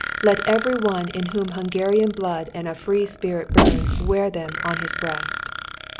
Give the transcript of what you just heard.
Let every one in whom Hungarian blood and a free spirit burns wear them on his breast."